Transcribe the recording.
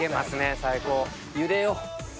最高。